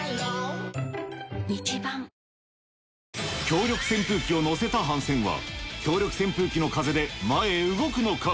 強力扇風機を載せた帆船は強力扇風機の風で前へ動くのか？